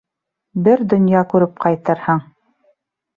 Бер донъя күреп ҡайтырһың.